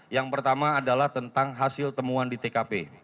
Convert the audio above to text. yang pertama adalah tentang hasil temuan di tkp